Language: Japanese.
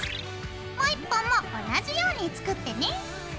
もう１本も同じように作ってね。